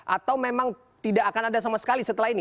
atau memang tidak akan ada sama sekali setelah ini